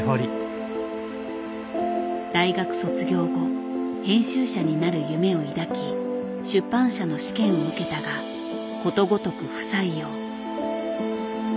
大学卒業後編集者になる夢を抱き出版社の試験を受けたがことごとく不採用。